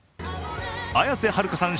綾瀬はるかさん